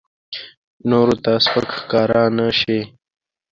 نورو ته سپک ښکاره نه شي.